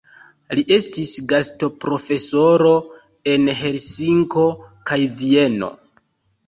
Li estis gastoprofesoro en Helsinko kaj Vieno.